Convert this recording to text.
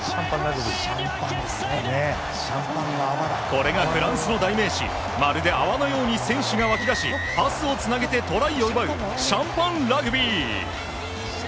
これがフランスの代名詞、まるで泡のように選手が湧きだし、パスをつなげてトライを奪う、シャンパンラグビー。